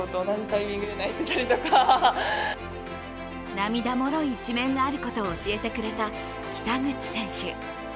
涙もろい一面があることを教えてくれた北口選手。